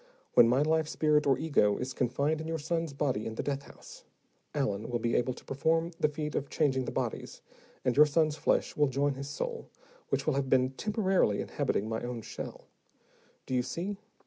When my life spirit, or ego, is confined in your son's body in the death house, Allen will be able to perform the feat of changing the bodies, and your son's flesh will join his soul, which will have been temporarily inhabiting my own shell. Do you see?